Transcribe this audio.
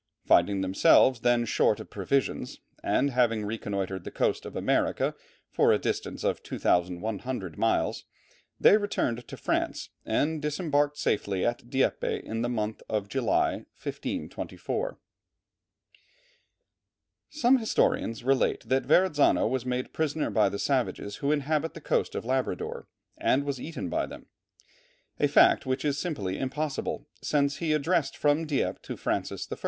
Finding themselves then short of provisions, and having reconnoitred the coast of America for a distance of 2100 miles, they returned to France, and disembarked safely at Dieppe in the month of July, 1524. Some historians relate that Verrazzano was made prisoner by the savages who inhabit the coast of Labrador, and was eaten by them. A fact which is simply impossible, since he addressed from Dieppe to Francis I.